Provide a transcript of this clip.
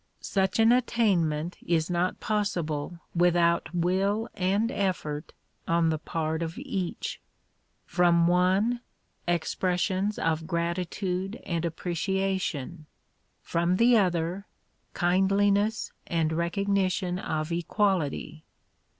Such an attainment is not possible without will and effort on the part of each ; from one, expressions of gratitude and appreciation ; from the other kindliness and recognition of equality.